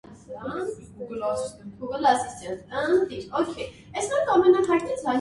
When Nyssa's psychic abilities threaten her life, the Doctor takes her to ancient Traken.